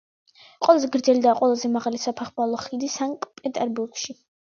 ყველაზე გრძელი და ყველაზე მაღალი საფეხმავლო ხიდი სანქტ-პეტერბურგში.